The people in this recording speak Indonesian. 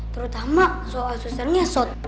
terutama soal asistennya sot